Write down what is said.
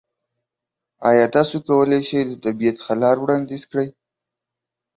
ایا تاسو کولی شئ د طبیعت ښه لار وړاندیز کړئ؟